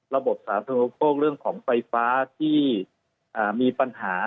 ระบบสาธารณโภคเรื่องของไฟฟ้าที่มีปัญหา